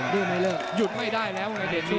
ยืดไหวไม่ได้แล้วขันเด่นวิชัย